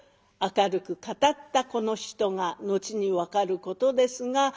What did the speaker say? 明るく語ったこの人が後に分かることですが